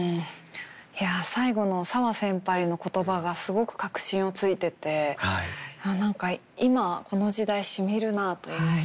いや最後のサワ先輩の言葉がすごく核心をついてて何か今この時代しみるなあといいますか。